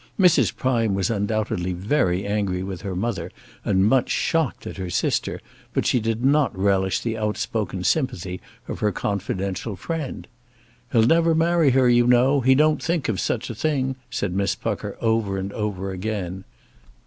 Mrs. Prime was undoubtedly very angry with her mother, and much shocked at her sister, but she did not relish the outspoken sympathy of her confidential friend. "He'll never marry her, you know. He don't think of such a thing," said Miss Pucker over and over again.